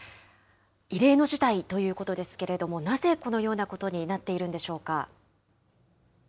異例の事態ということですけれども、なぜこのようなことになっているんでしょうか。